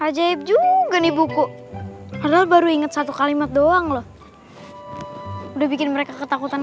ajaib juga nih buku padahal baru inget satu kalimat doang loh udah bikin mereka ketakutan